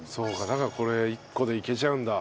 だからこれ１個でいけちゃうんだ。